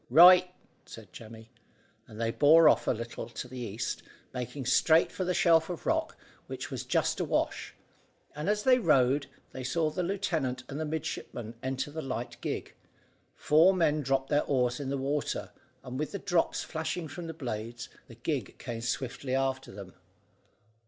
"Right," said Jemmy, and they bore off a little to the east, made straight for the shelf of rock, which was just awash; and as they rowed, they saw the lieutenant and the midshipman enter the light gig, four men dropped their oars in the water, and with the drops flashing from the blades, the gig came swiftly after them.